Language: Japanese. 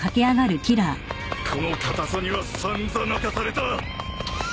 このかたさにはさんざ泣かされた！